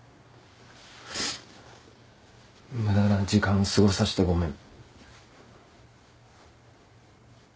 無駄な時間過ごさしてごめん。